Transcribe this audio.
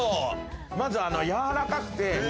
まず、やわらかくて。